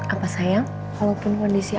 apa sayang walaupun kondisi